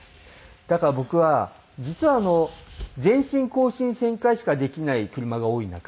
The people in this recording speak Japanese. だから僕は実は前進後進旋回しかできない車が多い中